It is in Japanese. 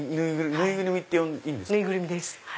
縫いぐるみです。